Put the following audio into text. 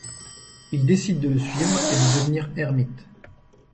Il décide de le suivre et de devenir ermite.